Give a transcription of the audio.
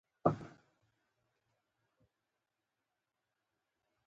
مجاهد د ناورین پر مهال تسلیم نهشي.